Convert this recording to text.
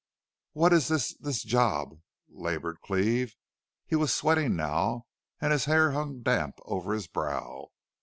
"What is this this job?" labored Cleve. He was sweating now and his hair hung damp over his brow.